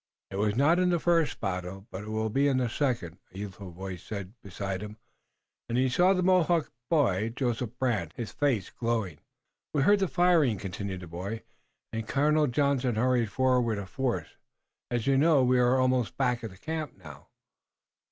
"I was not in the first battle, but I will be in the second," a youthful voice said beside him, and he saw the Mohawk boy, Joseph Brant, his face glowing. "We heard the firing," continued the boy, "and Colonel Johnson hurried forward a force, as you know. We are almost back at the camp now."